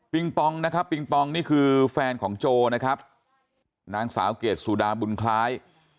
ปองนะครับปิงปองนี่คือแฟนของโจนะครับนางสาวเกรดสุดาบุญคล้าย